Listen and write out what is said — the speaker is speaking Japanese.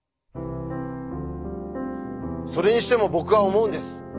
それにしても僕は思うんです。